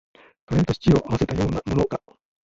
カレーとシチューを合わせたようなものか